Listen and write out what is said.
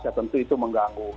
ya tentu itu mengganggu